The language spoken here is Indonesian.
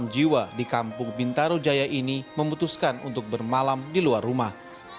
dua ratus tujuh puluh enam jiwa di kampung bintaro jaya ini memutuskan untuk bermalam di luar rumah